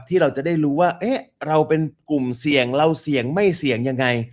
ที่เราจะได้รู้ว่าเราเป็นกลุ่มเสี่ยงเราเสี่ยงไม่เสี่ยงยังไง